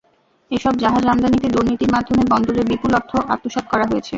এসব জাহাজ আমদানিতে দুর্নীতির মাধ্যমে বন্দরের বিপুল অর্থ আত্মসাৎ করা হয়েছে।